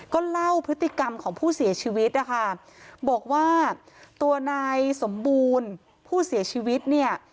ก็เล่าพฤติกรรมของผู้เสียชีวิตนะคะบอกว่าตัวนายสมบูรณ์ผู้เสียชีวิตเนี่ย